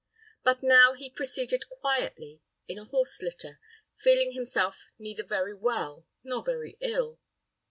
But now he proceeded quietly in a horse litter, feeling himself neither very well nor very ill.